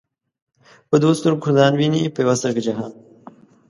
په دوو ستر گو ځان ويني په يوه سترگه جهان